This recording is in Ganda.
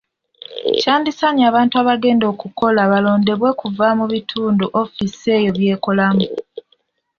Kyandisaanye abantu abagenda okukola balondebwe kuva mu bitundu ofiisi eyo byekolamu.